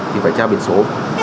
thì phải tra biệt số